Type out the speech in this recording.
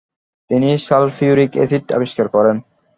তিনি sulphuric acid আবিষ্কার করেন।